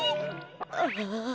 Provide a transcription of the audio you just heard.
ああ。